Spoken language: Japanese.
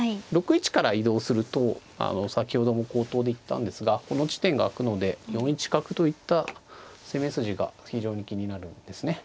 ６一から移動すると先ほども口頭で言ったんですがこの地点が空くので４一角といった攻め筋が非常に気になるんですね。